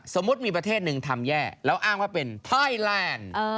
สมมุติมีประเทศหนึ่งทำแย่แล้วอ้างว่าเป็นไทยแลนด์